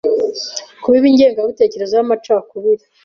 kubiba ingengabitekerezo y’amacakubiri,